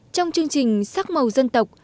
trong chương trình sắc màu dân tộc